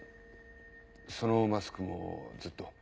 そのマスクもずっと？